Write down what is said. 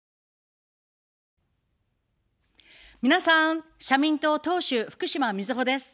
皆さん、社民党党首、福島みずほです。